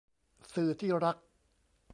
สื่อที่รัก